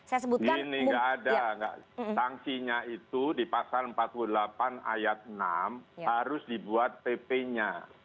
begini nggak ada sanksinya itu di pasal empat puluh delapan ayat enam harus dibuat pp nya